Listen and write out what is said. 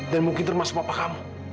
dan mungkin termasuk papa kamu